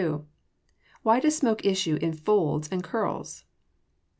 _Why does smoke issue in folds and curls?